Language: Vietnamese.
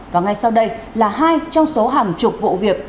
và ngay sau đây là hai trong số hàng chục vụ việc